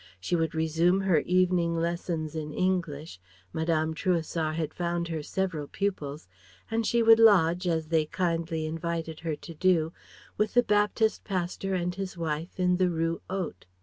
She would resume her evening lessons in English Madame Trouessart had found her several pupils and she would lodge as they kindly invited her to do with the Baptist pastor and his wife in the Rue Haute.